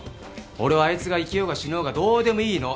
俺はあいつが生きようが死のうがどうでもいいの。